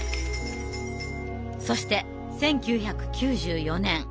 そして１９９４年。